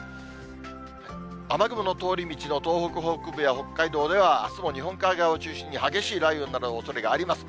雨雲の通り道の東北北部や北海道では、あすも日本海側を中心に激しい雷雨などのおそれがあります。